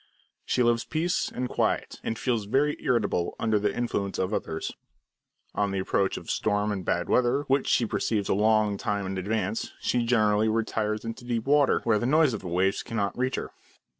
She loves peace and quiet, and feels very irritable under the influence of others. On the approach of storm and bad weather, which she perceives a long time in advance, she generally retires into deep water, where the noise of the waves cannot reach her.